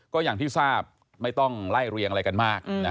ก็อย่างที่ทราบไม่ต้องไล่เรียงอะไรกันมาก